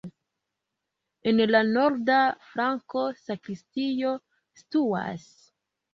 En la norda flanko sakristio situas.